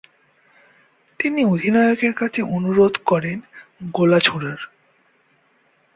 তিনি অধিনায়কের কাছে অনুরোধ করেন গোলা ছোড়ার।